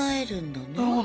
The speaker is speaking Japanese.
なるほど。